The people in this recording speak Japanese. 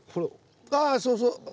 あそうそう。